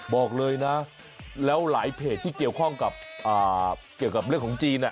บอกเลยนะแล้วหลายเพจที่เกี่ยวข้องกับเกี่ยวกับเรื่องของจีน